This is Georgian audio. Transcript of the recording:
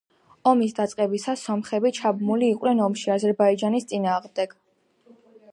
ომის დაწყებისას სომხები ჩაბმული იყვნენ ომში აზერბაიჯანის წინააღმდეგ.